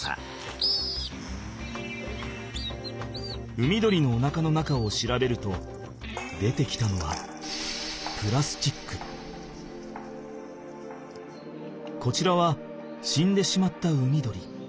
海鳥のおなかの中を調べると出てきたのはこちらは死んでしまった海鳥。